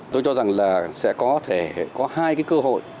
tôi cho rằng là sẽ có thể có hai cái cơ hội